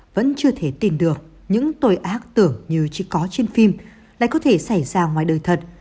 vẫn chưa thể tìm được những tội ác tưởng như chưa có trên phim lại có thể xảy ra ngoài đời thật